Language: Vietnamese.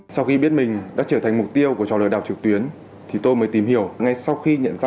sau khi biết mình đã trở thành mục tiêu của trò lừa đảo trực tuyến thì tôi mới tìm hiểu ngay sau khi nhận ra